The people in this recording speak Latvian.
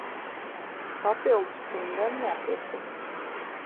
Papildus pirmdien nopirku.